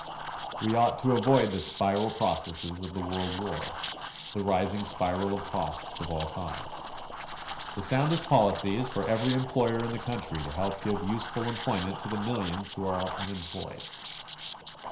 We ought to avoid the spiral processes of the World War, the rising spiral of costs of all kinds. The soundest policy is for every employer in the country to help give useful employment to the millions who are unemployed.